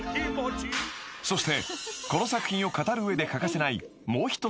［そしてこの作品を語る上で欠かせない］